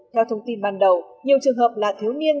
theo thông tin ban đầu nhiều trường hợp là thiếu niên